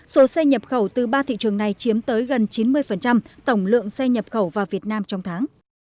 số xe nhập khẩu từ ba thị trường này chiếm tới gần chín mươi tổng lượng xe nhập khẩu vào việt nam trong tháng